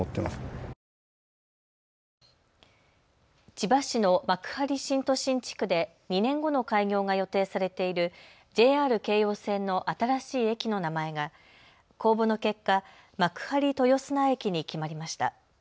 千葉市の幕張新都心地区で２年後の開業が予定されているＪＲ京葉線の新しい駅の名前が公募の結果、幕張豊砂駅に決まりました。